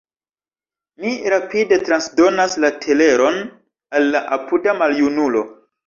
Mi rapide transdonas la teleron al la apuda maljunulo.